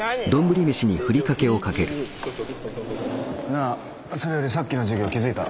なあそれよりさっきの授業気付いた？